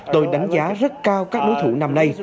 tôi đánh giá rất cao các đối thủ năm nay